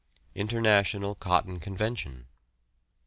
INTERNATIONAL COTTON CONVENTION.